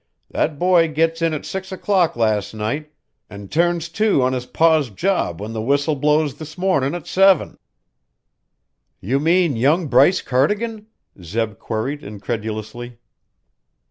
That boy gets in at six o'clock last night an' turns to on his paw's job when the whistle blows this mornin' at seven." "You mean young Bryce Cardigan?" Zeb queried incredulously.